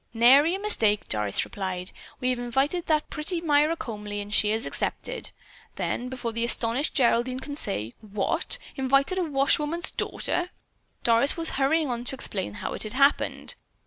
"Nary a mistake," Doris replied. "We have invited that pretty Myra Comely and she has accepted." Then before the astonished Geraldine could say, "What? Invited a washwoman's daughter," Doris was hurrying on to explain how it had happened.